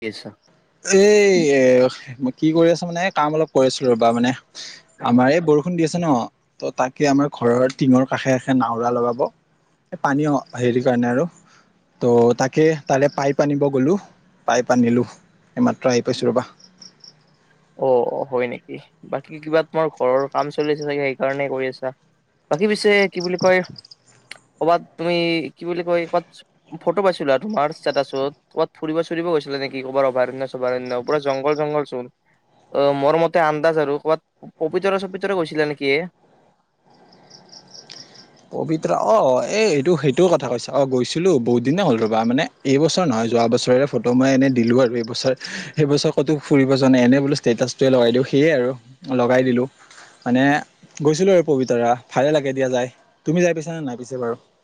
কি ছা [unintelligible] এই এ [inaudible] কি কৰি আছো মানে কাম অলপ কৰি আছো ৰ'বা মানে [unintelligible] আমাৰ এই বৰষুণ দি আছে ন, ত তাকে আমাৰ ঘৰৰ টিঙৰ কাষে-কাষে নাৱৰা লগাব [unintelligible] এ পানী অ হেৰি কাৰণে আৰু ত' তাকে তাৰে পাইপ আনিব গ'লো। [unintelligible] পাইপ আনিলোঁ। এইমাত্ৰ আহি পাইছোঁ ৰ'বা। [unintelligible] অ-অ হয় নেকি? বাকী কিবা তোমাৰ ঘৰৰ কাম চলি আছে চাগে সেইকাৰণেই কৰি আছা [unintelligible] বাকী পিছে কি বুলি কয়, ক'ৰবাত তুমি কি বুলি কয় কৰবাত [inaudible] ফটো পাইছিলো আৰু তোমাৰ ষ্টেটাছত [unintelligible] ক'বাত ফুৰিব-চুৰিব গৈছিলা নেকি? কৰবাৰ অভয়াৰণ্য-চভয়াৰণ্য পুৰা জংঘল-জংঘল চোন [unintelligible] অ মোৰ মতে আন্দাজ আৰু ক'ৰবাত পবিতৰা-চবিতৰা গৈছিলা নেকি এ? [unintelligible] পবিতৰা অ এ এইটো সেইটো কথা কৈছা অ গৈছিলো বহুত দিনেই হ'ল ৰ'বা মানে [unintelligible] এইবছৰ নহয় যোৱা বছৰেৰে ফটো, মই এনে দিলো আৰু এইবছৰ-এইবছৰ ক'তো ফুৰিব যোৱা নাই এনে বোলো ষ্টেটাচ [inaudible] [unintelligible] লগাই দিওঁ সেইয়ে আৰু লগাই দিলো। মানে গৈছিলো আৰু পবিতৰা ভালে লাগে দিয়া যাই। তুমি যাই পাইচানে নাই পিছে বাৰু [unintelligible]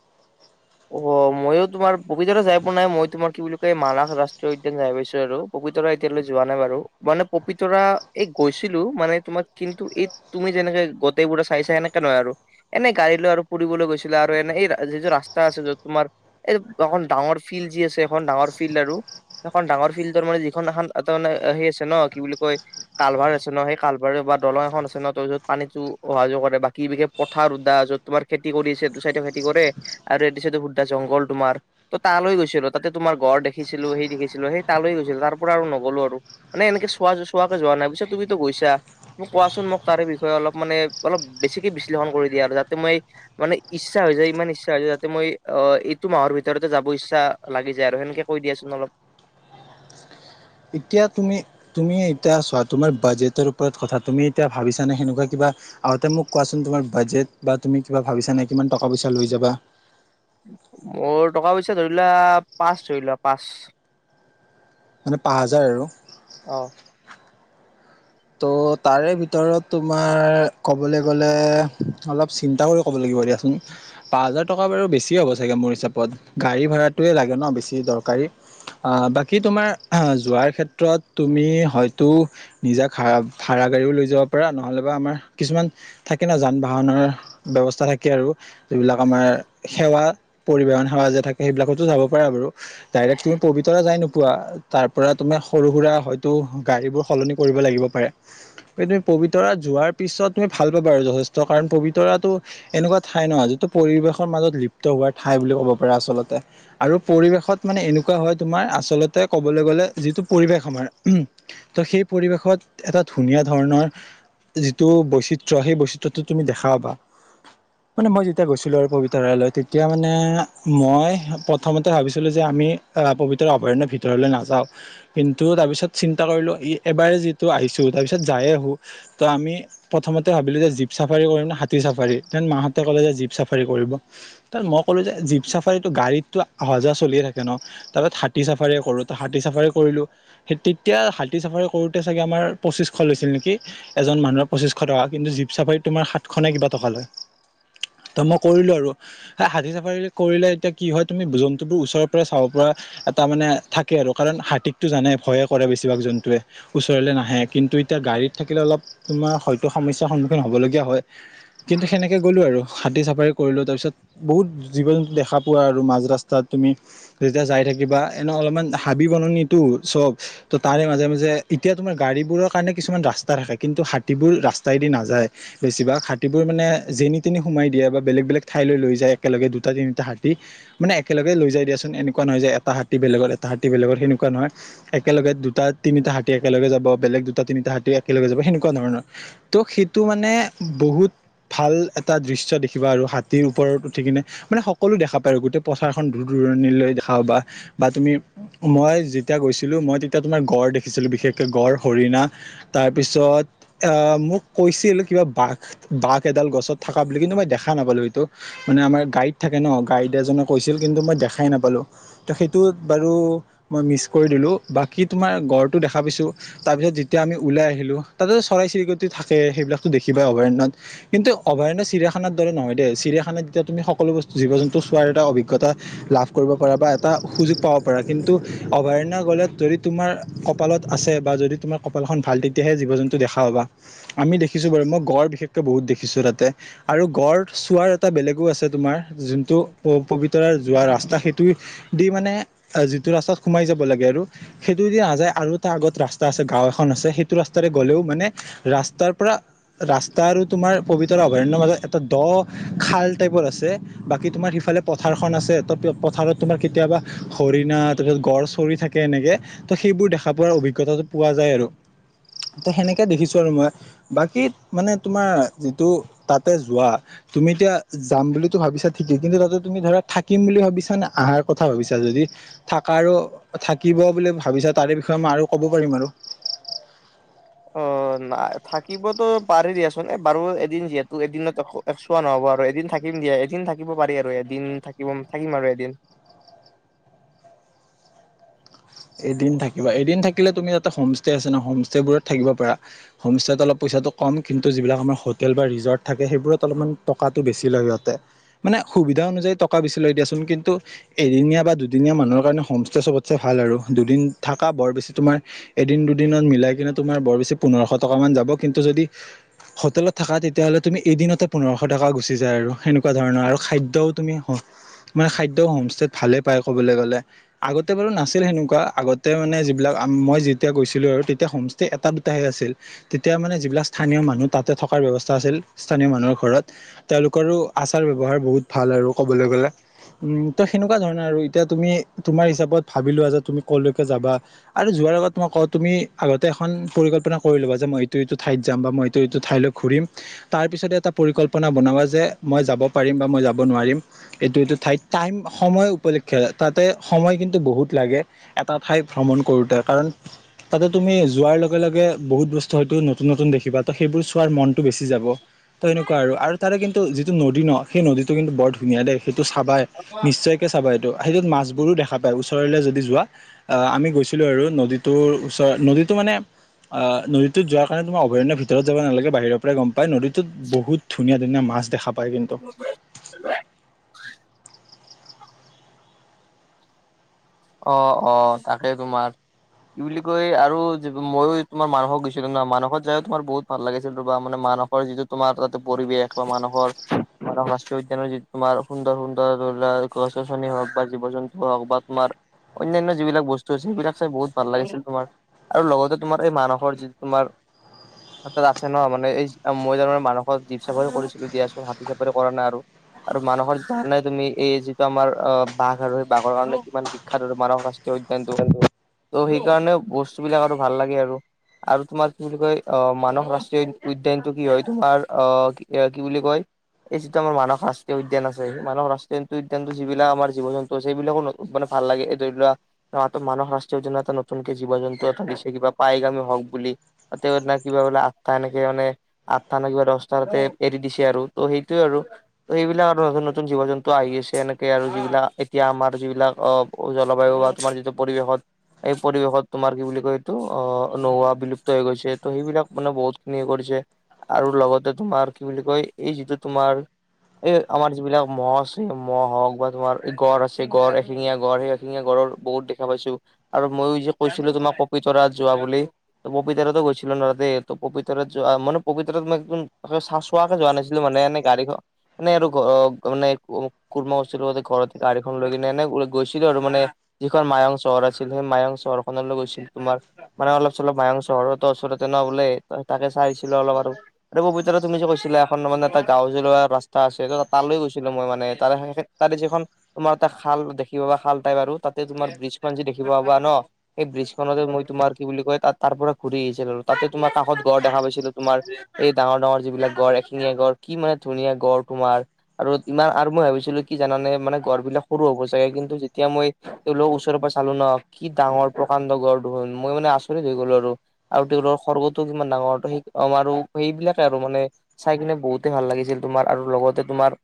অ মইয়ো তোমাৰ পবিতৰা যাই পোৱা নাই, মই তোমাৰ কি বুলি কয় মানাহ ৰাষ্ট্ৰীয় উদ্যান যাই পাইছো আৰু। [unintelligible] পবিতৰা এতিয়ালৈ যোৱা নাই বাৰু, মানে পপিতৰা এই গৈছিলো মানে তোমাৰ কিন্তু এই [unintelligible] তুমি যেনেকে গোটেইবোৰে চাইছা সেনেকে নহয় আৰু। [unintelligible] এনেই গাড়ী লৈ আৰু ফুৰিবলৈ গৈছিলো আৰু এনে এই যি যে ৰাস্তা [unintelligible] [unintelligible] ৰাস্তা আছে যত তোমাৰ এই এখন ডাঙৰ ফিল্ড যি আছে এখন ডাঙৰ ফিল্ড আৰু [inaudible] এখন ডাঙৰ ফিল্ডৰ মানে যিখন এখন এটা মানে সেই আছে ন কি বুলি কয় [inaudible] কালভাৰ আছে‌ ন সেই কালভাৰ বা দলং এখন আছে ন ত য'ত পানীতো অহা যোৱা কৰে বাকী বিশেষ [unintelligible] পথাৰ [unintelligible] যত তোমাৰ খেতি কৰিছে এইটো চাইডে খেতি কৰে আৰু এইটো চাইডে গোটেই জংঘল তোমাৰ। [inaudible] ত' তালৈ গৈছিলোঁ, তাতে তোমাৰ গঁড় দেখিছিলো, সেই দেখিছিলো, সেই তালৈ গৈছিলো তাৰ পৰা আৰু নগলো আৰু। [unintelligible] মানে এনেকে চোৱা-চোৱাকে যোৱা নাই। পিছে তুমিতো গৈছা? [unintelligible] মোক কোৱাচোন মোক তাৰে বিষয়ে অলপ মানে অলপ বেছিকে বিশ্লেষণ কৰি দিয়া আৰু যাতে মই [unintelligible] মানে ইচ্ছা হৈ যায়, ইমান ইচ্ছা হৈ যায় [unintelligible] মই অ এইটো মাহৰ ভিতৰতে যাব ইচ্ছা লাগি যায় আৰু সেনেকে কৈ দিয়াচোন অলপ [unintelligible] এতিয়া তুমি [inaudible] তুমি এতিয়া চোৱা তোমাৰ বাজেটৰ ওপৰত কথা তুমি এতিয়া ভাবিছা নে সেনেকুৱা কিবা [unintelligible] আগতে মোক কোৱাচোন তোমাৰ বাজেট বা তুমি কিবা ভাবিছা নে কিমান টকা-পইচা লৈ যাবা? [unintelligible] মোৰ টকা পইচা ধৰি লোৱা পাঁচ ধৰি লোৱা পাঁচ [unintelligible] মানে পাঁচ হাজাৰ আৰু। [inaudible] অঁ [inaudible] ত' তাৰে ভিতৰত তোমাৰ ক'বলৈ গ'লে অলপ চিন্তা ক'ব লাগিব দিয়াচোন। পাঁচ হাজাৰ টকা বাৰু বেছি হ'ব চাগে মোৰ হিচাপত গাড়ী ভাড়াটোৱে লাগে ন বেছি দৰকাৰী। আহ বাকী তোমাৰ যোৱাৰ ক্ষেত্ৰত তুমি হয়তো নিজা ভা ভাড়া গাড়ীও লৈ যাব পৰা নহ'লেবা আমাৰ কিছুমান থাকে ন যান-বাহনৰ ব্যৱস্থা থাকে আৰু। যিবিলাক আমাৰ সেৱা পৰিবহন সেৱা যে থাকে সেইবিলাকতো যাব পাৰা বাৰু। ডাইৰেক্ট তুমি পবিতৰা যাই নোপোৱা। তাৰ পৰা তোমাৰ সৰু সুৰা হয়তো গাড়ীবোৰ সলনি কৰিব লাগিব পাৰে। তুমি পবিতৰা যোৱাৰ পিছত তুমি ভাল পাবা আৰু যথেষ্ট কাৰণ পবিতৰাটো এনেকুৱা ঠাই নহয় যিটো পৰিৱেশৰ মাজত লিপ্ত হোৱাৰ ঠাই বুলি ক'ব পাৰে আচলতে। আৰু পৰিৱেশত মানে এনেকুৱা হয় তোমাৰ আচলতে ক'বলৈ গলে যিটো পৰিৱেশ আমাৰ। ত' সেই পৰিৱেশত। এটা ধুনীয়া ধৰণৰ যিটো বৈচিত্ৰ‌ সেই বৈচিত্ৰটো তুমি দেখা পাবা। [unintelligible] মানে মই যেতিয়া গৈছিলোঁ আৰু পবিতৰালৈ তেতিয়া মানে মই প্ৰথমতে ভাবিছিলোঁ যে, আমি পবিতৰা অভয়াৰণ্যৰ ভিতৰলৈ নাযাও কিন্তু তাৰ পিছত চিন্তা কৰিলো ই এবাৰে যি, তো আহিছোঁ তাৰপিছত যায় আহোঁ ত আমি প্ৰথমতে ভাবিলো যে জীপ চাফাৰী কৰিম নে হাতী চাফাৰী ডেন মাহঁতে কলে যে জীপ চাফাৰী কৰিব। তাত মই ক'লো যে জীপ চাফাৰীটো গাড়ীতটো অহা যোৱা চলিয়ে থাকে ন। তাৰপাছ হাতী চাফাৰীয়ে কৰো হাতী চাফাৰী কৰিলো সেই তেতিয়া হাতী চাফাৰী কৰো চাগে আমাৰ পঁচিছশ লৈছিল নেকি? এজন মানুহৰ পঁচিশ টকা কিন্তু জীপ চাফাৰীত তোমাৰ সাতশ ননে কিবা টকা লয়। ত মই কৰিলো আৰু। হাতী চাফাৰী কৰিলে এতিয়া কি হয় তুমি জন্তুো বোৰ ওচৰৰ পৰা চাব পাৰা। এটা মানে থাকে আৰু কাৰণ হাতীকতো জানে ভয়ে কৰে বেছিভাগ জন্তুৱে। ওচৰলৈ নাহে কিন্তু এতিয়া গাড়ীত থাকিলে অলপ তোমাৰ হয়তো সমস্যাৰ সন্মুখীন হ'বলগীয়া হয়। কিন্তু সেনেকে গ'লো আৰু হাতী চাফাৰী কৰিলো তাৰ পিছত। বহুত জীৱ জন্তু দেখা পোৱা আৰু মাজ ৰাস্তাত তুমি। যেতিয়া যাই থাকিবা এনে অলপমান হাবি বননিতো চব ত' তাৰে মাজে- মাজে এতিয়া তোমাৰ গাড়ীবোৰৰ কাৰণে কিছুমান ৰাস্তা থাকে কিন্তু হাতীবোৰ ৰাস্তাইদি নাযায়। বেছিভাগ হাতীবোৰ মানে যেনি তেনি সোমাই দিয়ে বা বেলেগ বেলেগ ঠাইলৈ লৈ যায় একেলগে দুটা তিনিটা হাতী। মানে একেলগে লৈ যাই দিয়াচোন এনেকুৱা নহয় যে এটা হাতী বেলেগৰ এটা হাতী বেলেগৰ হেনেকুৱা নহয়। একেলগে দুটা তিনিটা হাতী একেলগে যাব বেলেগ দুটা তিনিটা হাতী একেলগে যাব সেনেকুৱা ধৰণৰ। ত' সেইটো মানে বহুত। ভাল এটা দৃশ্য দেখিবা আৰু হাতীৰ ওপৰত উঠি কিনে। মানে সকলো দেখা পায় গোটেই প্ৰচাৰখন দূৰ দূৰণিলৈ দেখা পাবা বা তুমি। মই যেতিয়া গৈছিলো মই তেতিয়া তোমাৰ গড় দেখিছিলো বিশেষকে গড়, হৰিণা। তাৰপিছত। আহ মোক কৈছিল কিবা বাঘ বাঘ এডাল গছত থকা বুলি কিন্তু মই দেখা নাপালো সটো। মানে আমাৰ গাইড থাকে ন গাইড এজনে কৈছিল কিন্তু মই দেখাই নাপালো। ত সেইটোত বাৰু মই মিছ কৰি দিলো বাকী তোমাৰ গড়টো দেখা পাইছোঁ। তাৰপিছত যেতিয়া আমি ওলাই আহিলো তাতে চৰাই চিৰিকটি ত থাকে সেইবিলাকতো দেখিব পায় অভয়াৰণ্যত। কিন্তু অভয়াৰণ্য চিৰিয়াখানাৰ দৰে নহয় দেই চিৰিয়াখানাত যেতিয়া তুমি সকলো বস্তু জীৱ জন্তু চোৱাৰ এটা অভিজ্ঞতা লাভ কৰিব পাৰা বা এটা সুযোগ পাব পাৰা কিন্তু অভয়াৰণ্য গলেত যদি তোমাৰ? কপালত আছে বা যদি তোমাৰ কপালখন ভাল তেতিয়াহে জীৱ জন্তু দেখা পাবা আমি দেখিছো বাৰু মই গড় বিশেষকৈ বহুত দেখিছো তাতে আৰু গড় চোৱাৰ এটা বেলেগো আছে তোমাৰ যোনটো পবিতৰা যোৱা ৰাস্তা সেই দি মানে যিটো ৰাস্তাত সোমাই যাব লাগে আৰু সেইটো দি যে আৰু এটা আগত ৰাস্তা আছে গাঁও এখন আছে সেইটো ৰাস্তাৰে গ'লেও মানে ৰাস্তাৰ পৰা ৰাস্তা আৰু তোমাৰ পবিতৰা অভয়াৰণ্যৰ মাজত এটা দ খাল টাইপৰ আছে। বাকী তোমাৰ সিফালে পথাৰখন আছে ত পথাৰত তোমাৰ কেতিয়াবা হৰিণা তাৰপিছত গড় চৰি থাকে। কে এনেকে ত সেইবোৰ দেখা পোৱাৰ অভিজ্ঞতাটো পোৱা যায় আৰু ত সেনেকে দেখিছো আৰু মই বাকী মানে তোমাৰ যিটো তাতে যোৱা তুমি এতিয়া যাম বুলিটো ভাবিছা ঠিকেই কিন্তু তাতে তুমি ধৰা থাকিম বুলি ভাবিছা নে অহাৰ কথা ভাবিছা যদি থাকাৰো থাকিব বুলি ভাবিছ তাৰে বিষয়ে মই আৰু ক'ব পাৰিম আৰু অ নাই থাকিবতো পাৰি দিয়াচোন এবাৰু এদিন যিহেতু এদিনত আকৌ চোৱা নহ'ব আৰু এদিন থাকিম দিয়া এদিন থাকিব পাৰি আৰু এদিন থাকিব থাকিম আৰু এদিন এদিন থাকিবা এদিন থাকিলে তুমি ইয়াতে হোমষ্টে আছে ন হোমষ্টেবোৰত থাকিব পাৰা হোমষ্টে'ত অলপ পইচাটো কম কিন্তু যিবিলাক আমাৰ হোটেল বা ৰিজৰ্ট থাকে সেইবোৰত অলপ টকাটো বছি লয় সিহঁতে মানে সুবিধা অনুযায়ী টকা বেচি লয় দিয়াচোন কিন্তু এদিনীয়া বা দুদিনীয়া মানুহৰ কাৰণে হোমষ্টে চবতছে ভাল আৰু দুদিন থাকা বৰ বেছি তোমাৰ এদিন দুদিনত মিলাই কিনে তোমাৰ বৰ বেছি পোন্ধৰশ টকা মান যাব কিন্তু যদি হোটেলত থাকা তেতিয়াহ'লে তুমি এদিনতে পোন্ধৰশ টকা গুচি যায় আৰু সেনেকোৱা ধৰণৰ আৰু খাদ্যও তুমি মানে খাদ্যও হোমষ্টেত ভালে পায় ক'বলৈ গ'লে আগতে বাৰু নাছিল সেনেকুৱা আগতে মানে যিবিলাক মই যেতিয়া গৈছিলোঁ আৰু তেতিয়া হোমষ্টে এটা দুটাহে আছিল। তেতিয়া মানে যিবিলাক স্থানীয় মানুহ তাতে থকাৰ ব্যৱস্থা আছিল স্থানীয় মানুহৰ ঘৰত তেওঁলোকৰো আচাৰ ব্যৱহাৰ বহুত ভাল আৰু ক'বলৈ গ'লে উম ত সেনেকুৱা ধৰণে আৰু এতিয়া তুমি তোমাৰ হিচাপত ভাবি লোৱা যে তুমি কলৈকে যাবা আৰু যোৱাৰ আগত মই কওঁ তুমি আগতে এখন পৰিকল্পনা কৰি ল'বা যে মই এইটো এইটো ঠাইত যাম বা মই এইটো এইটো ঠাইলৈ ঘুৰিম তাৰ পিছতে এটা পৰিকল্পনা বনাবা যে মই যাব পাৰিম বা মই যাব নোৱাৰিম। এইটো এইটো ঠাইত টাইম সময় উপলক্ষে তাতে সময় কিন্তু বহুত লাগে এটা ঠাই ভ্ৰমণ কৰোতে কাৰণ তাতে তুমি যোৱাৰ লগে লগে বহুত বস্তু হয়তো নতুন নতুন দেখিবা ত' সেইবোৰ চোৱাৰ মনতটো বেছি যাব। ত এনেকুৱা আৰু তাৰে কিন্তু যিটো নদী ন সেই নদীটো কিন্তু বৰ ধুনীয়া দেই সেইটো চাবাই নিশ্চয়কে চাবাই এইটো সেইটোত মাছবোৰো দেখা পায় ওচৰলে যদি যোৱা আহ আমি গৈছিলো আৰু নদীটোৰ ওচৰত নদীটো মানে আ নদীটোত যোৱাৰ কাৰণে তোমাৰ অভয়াৰণ্য ভিতৰত যাব নালাগে বাহিৰৰ পৰাই গম পায় নদীত বহুত ধুনীয়া ধুনীয়া মাছ দেখা পায় কিন্তু হয় [unintelligible] অ অ তাকে তোমাৰ কি বুলি কয় আৰু ময়ো তোমাৰ মানসক গেছিলো ন মানসক যায় তোমাৰ বহুত ভাল লাগিছিল ৰবা মানে মানস যিটো তোমাৰ তাতে পৰিৱেশ বা মানুহৰ ৰাষ্ট্ৰীয় উদ্যানৰ যিটো তোমাৰ সুন্দৰ সুন্দৰ ধৰিলোৱা গছ গছনি হওক বা জীৱ জন্তু হওক বা তোমাৰ অন্যান্য যিবিলাক বস্তু আছে যিবিলাক চাই বহুত ভাল লাগিছিল তোমাৰ আৰু লগতে তোমাৰ এই মানসৰ যিটো তোমাৰ তাত আছে ন মানে এই মই তাৰমানে মানসৰ জীপ চাফাৰৰি কৰিছিলো দিয়াছোন হাতী চাফাৰী কৰা নাই আৰু আৰু মানসৰ যাৰ নাই তুমি এই যিটো আমাৰ অ বাঘ আৰু সেই বাঘৰ কাৰণে কিমান শিক্ষাত আৰু মানৱ ৰাষ্ট্ৰীয় উদ্যানটো ত' সেইকাৰণে বস্তু বিলাক আৰু ভাল লাগে আৰু আৰু তোমাৰ কি বুলি কয় আহ মানস ৰাষ্ট্ৰীয় উদ্যানটো কি হয় তোমাৰ আহ কি বুলি কয় এই যিটো আমাৰ মানস ৰাষ্ট্ৰীয় উদ্যান আছে মানহ ৰাষ্ট্ৰীয় উদ্যানটো যিবিলাক আমাৰ জীৱ-জন্তু আছে এইবিলাকো ন মানে ভাল লাগে এই ধৰি লোৱা অ তো মানহ ৰাষ্ট্ৰীয় উদ্যানত এটা নতুনকে জীৱ-জন্তু এটা দিছে কিবা পাইগামে হওক বুলি। অতিউদ না কিবাবোলে আঠটা এনেকে মানে আঠটা নে কিবা দশটাতে এৰি দিছে আৰু ত' সেইটোৱে আৰু ত এইবিলাক আৰু নতুন নতুন জীৱ-জন্তু আহি আছে এনেকে আৰু যিবিলাক এতিয়া আমাৰ যিবিলাক অ জলবায়ু বা তোমাৰ যিটো পৰিৱেশত এই পৰিৱেশত তোমাৰ কি বুলি কয় এইটো অ অ অ নোহোৱা বিলুপ্ত হৈ গৈছে ত সেইবিলাক মানে বহুতখিনি সেই কৰিছে। আৰু লগতে তোমাৰ কি বুলি কয় এই যিটো তোমাৰ এই আমাৰ যিবিলাক মহ' আছে মহ' হওক বা তোমাৰ এই গঁড় আছে গঁড় এ এশিঙীয়া গঁড় সেই এশিঙীয়া গঁড়ৰ বহুত দেখা পাইছো আৰু মইয়ো যে কৈছিলো তোমাৰ পবিতৰাত যোৱা বুলি। পবিতৰাতো গৈছিলো ন তাতে ত পবিতৰাত যোৱা মানে পবিতৰাত মই একদম হয়, চা-চোৱাকে যোৱা নাছিলো মান এনে গাড়ীখন মানে আৰু ঘ অ অ অ মানে কু কুুৰমাও আছিল যে ঘৰতে গাড়ীখন লৈ কিনে এনে ওলাই গৈছিলো আৰু মানে যিখন মায়ং চহৰ আছিল সেই মায়ং চহৰখনলৈ গৈছিল তোমাৰ মানে অলপ-চলপ মায়ং চহৰতো ওচৰতে ন বোলে তাকে চাইছিলো অলপ আৰু আৰু পবিতৰা তুমি যে কৈছিলা এখন মানে এটা গাঁও জ্বলোৱা ৰাস্তা আছে তালৈ গৈছিলো মই মানে তাৰ সেয়া সে। তাতে যিখন তোমাৰ এটা খাল দেখিব পাবা খাল টাইপ আৰু তাতে তোমাৰ ব্ৰিজখন যি দেখিব পাবা ন সেই ব্ৰিজখনতে মই তোমাৰ কি বুলি কয় তাত তাৰ পৰা ঘূৰি আহিছিলো আৰু তাতে তোমাৰ কাষত গঁড় দেখা পাইছিলো তোমাৰ এই ডাঙৰ ডাঙৰ যিবিলাক গঁড় এশিঙীয়া গঁড় কি মানে ধুনীয়া গঁড় তোমাৰ আৰু ইমান আৰু মই ভাবিছিলো কি জানানে মানে গঁড় বিলাক সৰু হ'ব চাগে কিন্তু যেতিয়া মই তেওঁলোক ওচৰৰ পৰা চালো ন কি ডাঙৰ প্ৰকাণ্ড গঁড় দখোন মই মানে আচৰিত হৈ গলো আৰু আৰু তেওঁলোকৰ খৰ্গটো কিমান ডাঙৰ ত সেই কি কম আৰু সেইবিলাকে আৰু মানে চাই কিনে বহুতে ভাল লাগিছিল তোমাৰ আৰু লগতে তোমাৰ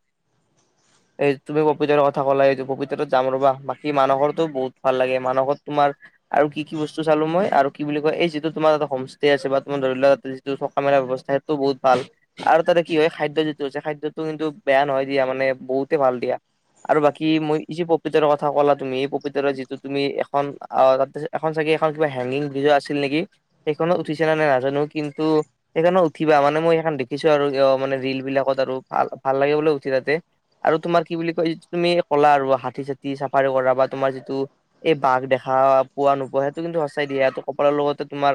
এই তুমি পবিতৰাৰ কথা কলাই এইটো পবিতৰাত যাম ৰবা বাকী মানসৰতো বহুত ভাল লাগে মানসৰ তোমাৰ আৰু কি কি বস্তু চালো মই আৰু কি বুলি কয় এই যিটো তোমাৰ এটা হোম ষ্টে আছে বা তোমাৰ ধৰি লোৱা এ যিটো থকা মেলা ব্যৱস্থা তো বহুত ভাল আৰু তাতে কি হয় খাদ্য যিটো আছে খাদ্যটো কিন্তু বেয়া নহয় দিয়া মানে বহুতে ভাল দিয়া। আৰু বাকী মই ই যে পব পবিতৰাৰ কথা ক'লা তুমি পবিতৰা যিটো তুমি এখন আ অ অ তাতে এখন চাগে এখন কিবা হেংঙিং ব্ৰিজও আছিল নেকি? সেইখনত উঠিছা নে নাই নাজানো কিন্তু সেইখনত উঠিবা মানে মই সেইখন দেখিছো আৰু অ মানে ৰিল বিলাকত আৰু ভাল ভাল লাগে বোলে উঠি তাতে। আৰু তোমাৰ কি বুলি কয় তুমিয়ে কলা আৰু হাতী-চাতি চাফাৰী কৰা বা তোমাৰ যিটো এই বাঘ দেখা পোৱা নোপোৱা সেইটো কিন্তু সঁচাই দিয়া এটো কপালৰ লগতে তোমাৰ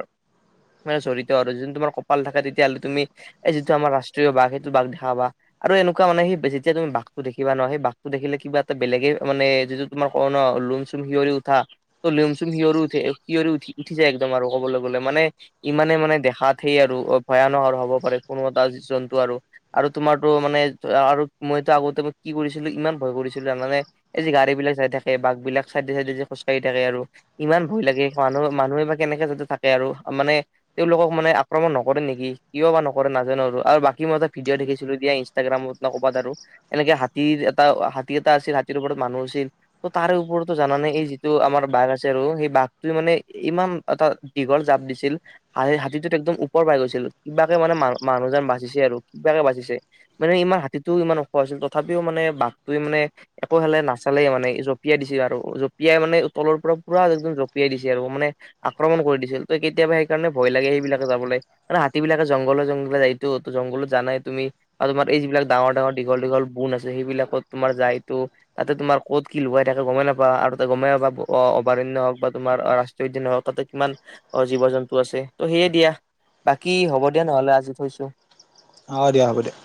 মানে জড়িত আৰু যদি তোমাৰ কপাল থাকে তেতিয়াহ'লে তুমি এই যিটো আমাৰ ৰাষ্ট্ৰীয় বাঘ সেইটো বাঘ দেখা পাবা। আৰু এনেকুৱা মানে সেই যেতিয়া তুমি বাঘটো দেখিবা ন সেই বাঘটো দেখিলে কিবা এটা বেলেগে মানে যিটো তোমাৰ কও ন লোম-চুম শিঁয়ৰি উঠা। ত লোম-চুম শিয়ৰ উঠে শিয়ৰি উঠি উঠি যায় একদম আৰু ক'বলৈ গলে মানে ইমানে মানে দেখাত সেই আৰু ভয়ানক আৰু হ'ব পাৰে কোনো এটা জন্তু আৰু আৰু তোমাৰতো মানে আৰু মইতো আগতেই কি কৰিছিলো ইমান ভয় কৰিছিলো জানানে এই যে গাড়ী বিলাক যাই থাকে বাঘ বিলাক চাইডে চাইডে যে খোজকাঢ়ি থাকে আৰু ইমান ভয় লাগে মানুহ মানুহে বা কেনেকে যাতে থাকে আৰু মানে তেওঁলোকক মানে আক্ৰমণ নকৰে নেকি কিয় বা নকৰে নাজানো আৰু বাকী মই এটা ভিডিঅ' দেখিছিলো দিয়া ইন ইষ্ট্ৰাগ্ৰামত না ক'বাত আৰু এনেকে হাতীৰ এটা হাতী এটা আছিল হাতীৰ ওপৰত মানুহ আছিল ত তাৰে ওপৰতো জানা নাই এই যিটো আমাৰ বাঘ আছে আৰু সেই বাঘটোৱে মানে ইমান এটা দীঘল জাপ দিছিল, আৰে হাতীটোত একদম ওপৰ পাই গৈছিল কিবাকে মানে মানু মানুহজন বাচিছে আৰু কিবাকে বাচিছে মানে ইমান হাতীটোও ইমান ওখ আছিল তথাপিও মানে বাঘটোৱে মানে একো হালে নাচালেই মানে, জঁপিয়াই দিছে আৰু জঁপিয়াই মানে তলৰ পৰা পুৰা একদম জঁপিয়াই দিছে আৰু মানে, আক্ৰমণ কৰি দিছিল ত কেতিয়াবা সেইকাৰণে ভয় লাগে সেইবিলাকে যাবলে। মানে হাতী বিলাকে জংঘলে জংঘলে যায় এইটো জংঘলত জানাই তুমি আৰু তোমাৰ এই যিবিলাক ডাঙৰ ডাঙৰ দীঘল দীঘল বুন আছে সেইবিলাকত তোমাৰ যায় তো তাতে তোমাৰ ক'ত কি লোকাই থাকে গমেই নাপায় আৰু তাতে গমেই নাপাবা অ অভয়াৰণ্য হওঁক বা তোমাৰ ৰাষ্ট্ৰীয় উদ্যানেই হওঁক তাতে কিমান অ জীৱ জন্তু আছে ত' সেয়ে দিয়া বাকী হ'ব দিয়া নহলে আজি থৈছো। অ দিয়া হ'ব দিয়া।